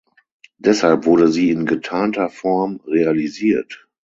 Deshalb wurde sie in getarnter Form realisiert.